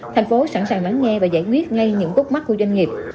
tp hcm sẵn sàng lắng nghe và giải quyết ngay những bút mắt của doanh nghiệp